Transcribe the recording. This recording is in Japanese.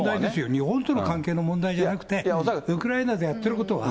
日本との関係の問題じゃなくて、ウクライナでやってることは。